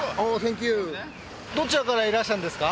どちらからいらしたんですか？